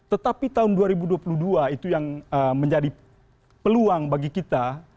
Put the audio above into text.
tetapi tahun dua ribu dua puluh dua itu yang menjadi peluang bagi kita